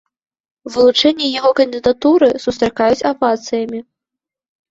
Вылучэнне яго кандыдатуры сустракаюць авацыямі.